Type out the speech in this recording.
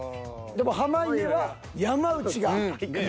でも濱家は山内が１位。